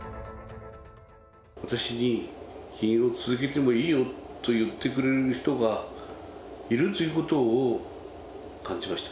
私に議員を続けてもいいよと言ってくれる人がいるということを感じました。